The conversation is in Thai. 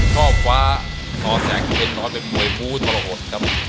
ท่อฟ้าต่อแสงเป็นมวยภูทะละหดครับ